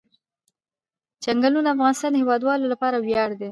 چنګلونه د افغانستان د هیوادوالو لپاره ویاړ دی.